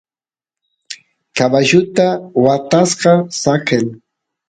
caballuta watasqa saqen